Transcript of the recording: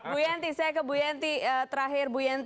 bu yanti saya ke bu yanti terakhir